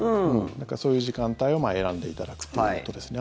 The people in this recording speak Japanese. だから、そういう時間帯を選んでいただくっていうことですね。